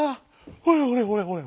ほれほれほれほれ。